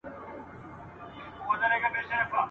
پروت که پر ساحل یم که په غېږ کي د توپان یمه !.